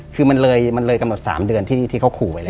คือมันเลยกำหนด๓เดือนที่เขาขู่ไว้แล้ว